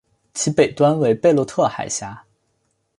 其北端为贝洛特海峡。